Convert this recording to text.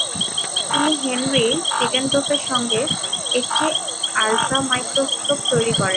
তিনি Henry Siedentopf এর সঙ্গে একটি আল্ট্রামাইক্রোস্কোপ তৈরি করেন।